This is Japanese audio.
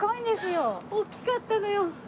おっきかったのよ。